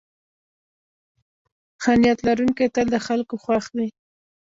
ښه نیت لرونکی تل د خلکو خوښ وي.